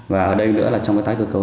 và ở đây nữa là trong cái tái cơ cấu